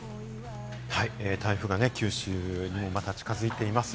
台風が九州にまた近づいています。